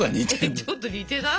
ちょっと似てない？